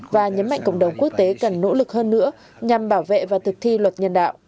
và nhấn mạnh cộng đồng quốc tế cần nỗ lực hơn nữa nhằm bảo vệ và thực thi luật nhân đạo